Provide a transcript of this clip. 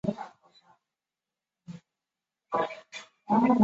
这些瘤状突起因其与地面的接触面积小而有助于压实路面。